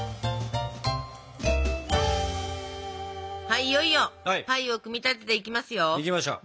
はいいよいよパイを組み立てていきますよ。いきましょう。